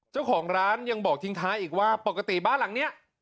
เจ้าของร้านยังบอกทิ้งท้ายอีกว่าปกติบ้านหลังนี้